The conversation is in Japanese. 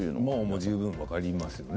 十分、分かりますね。